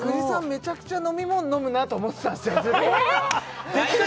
めちゃくちゃ飲み物飲むなと思ってたんすよえ！？